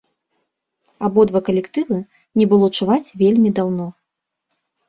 Абодва калектывы не было чуваць вельмі даўно.